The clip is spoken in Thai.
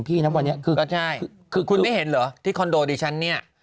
คุณไม่เห็นหรอที่คอนโดดิจันทร์เนี่ย